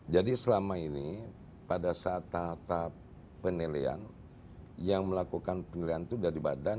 jadi selama ini pada saat tahap penilaian yang melakukan penilaian itu dari badan